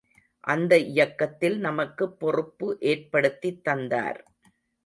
அந்த இயக்கத்தில் நமக்குப் பொறுப்பு ஏற்படுத்தித் தந்தார்.